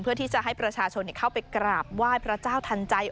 เพื่อที่จะให้ประชาชนเข้าไปกราบไหว้พระเจ้าทันใจ